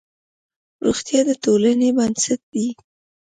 روغتیا د ټولنې بنسټ دی.